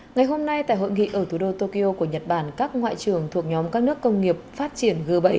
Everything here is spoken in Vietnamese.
ngày hôm nay tại hội nghị ở thủ đô tokyo của nhật bản các ngoại trưởng thuộc nhóm các nước công nghiệp phát triển g bảy